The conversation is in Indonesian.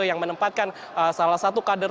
yang menempatkan salah satu kader